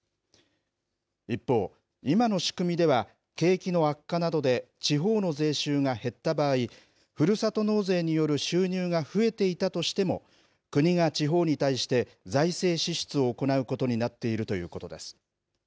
一方、今の仕組みでは景気の悪化などで地方の税収が減った場合、ふるさと納税による収入が増えていたとしても、国が地方に対して財政支出を行うことになっているということです。